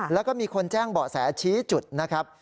แล้วก็มีคนแจ้งเบาะแสชี้จุดนะครับ